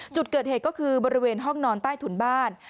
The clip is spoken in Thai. จุดเกิดเหตุก็คือบริเวณห้องนอนใต้ถุนบ้าน